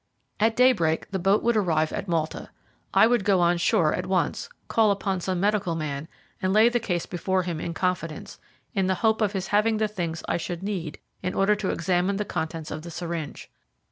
At daybreak the boat would arrive at Malta. I would go on shore at once, call upon some medical man, and lay the case before him in confidence, in the hope of his having the things I should need in order to examine the contents of the syringe.